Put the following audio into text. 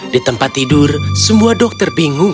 di tempat tidur semua dokter bingung